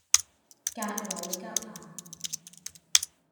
格鲁吉亞